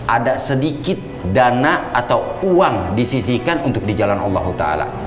ada sedikit dana atau uang disisikan untuk di jalan allah swt